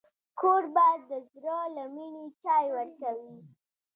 کوربه د زړه له مینې چای ورکوي.